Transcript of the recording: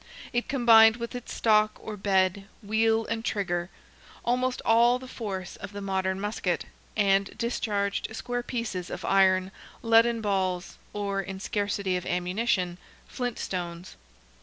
It combined with its stock, or bed, wheel, and trigger, almost all the force of the modern musket, and discharged square pieces of iron, leaden balls, or, in scarcity of ammunition, flint stones.